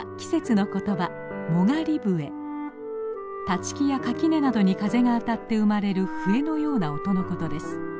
立ち木や垣根などに風が当たって生まれる笛のような音のことです。